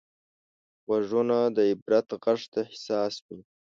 غوږونه د عبرت غږ ته حساس وي